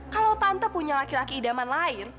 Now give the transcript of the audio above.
kalau tante punya laki laki idaman lain